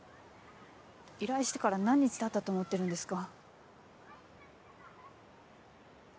依頼してから何日たったと思ってるんですか。